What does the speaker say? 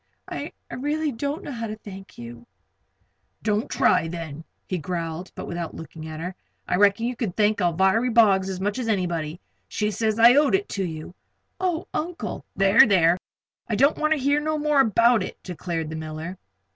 "I really don't know how to thank you." "Don't try, then," he growled, but without looking at her. "I reckon you can thank Alviry Boggs as much as anybody. She says I owed it to you." "Oh, Uncle " "There, there! I don't wanter hear no more about it," declared the miller.